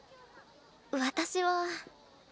私は。